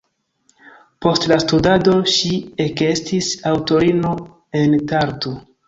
Post la studado ŝi ekestis aŭtorino en Tartu.